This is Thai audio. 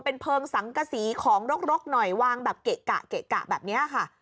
เป็นเพลิงสังกษีของรกหน่อยวางแบบเกะกะเกะกะแบบนี้ค่ะ